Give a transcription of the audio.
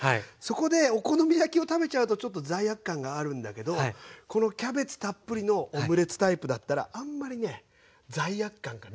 そこでお好み焼きを食べちゃうとちょっと罪悪感があるんだけどこのキャベツたっぷりのオムレツタイプだったらあんまりね罪悪感がない。